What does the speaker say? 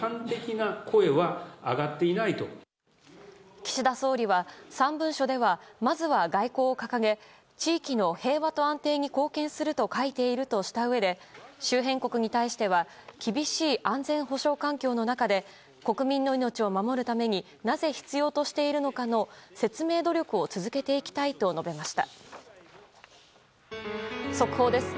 岸田総理は、３文書ではまずは外交を掲げ地域の平和と安定に貢献すると書いているとしたうえで周辺国に対しては厳しい安全保障環境の中で国民の命を守るためになぜ必要としているのかの説明努力を続けていきたいと述べました。